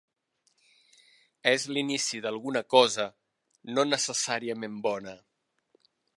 És l'inici d'alguna cosa, no necessàriament bona.